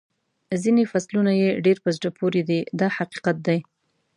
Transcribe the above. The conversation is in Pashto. ځینې فصلونه یې ډېر په زړه پورې دي دا حقیقت دی.